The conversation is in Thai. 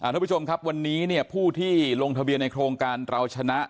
ทุกผู้ชมครับวันนี้ผู้ที่ลงทะเบียนในโครงการเราชนะ